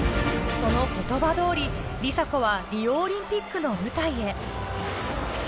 その言葉通り、梨紗子はリオオリンピックの舞台へ。